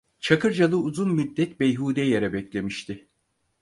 Çakırcalı uzun müddet beyhude yere beklemişti.